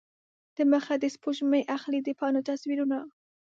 دمخه د سپوږمۍ اخلي د پاڼو تصویرونه